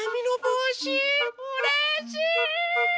うれしい！